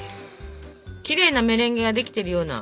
きれいなメレンゲができてるような。